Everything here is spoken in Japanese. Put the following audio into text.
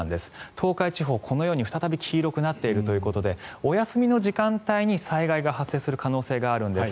東海地方、このように再び黄色くなっているということでお休みの時間帯に災害が発生する可能性があるんです。